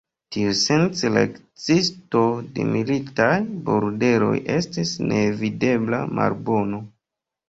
Tiusence la ekzisto de militaj bordeloj estis neevitebla malbono.